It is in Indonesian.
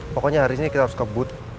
pokoknya hari ini kita harus kebut